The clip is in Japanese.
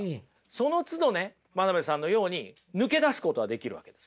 そのつどね真鍋さんのように抜け出すことはできるわけです。